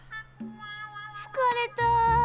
つかれた。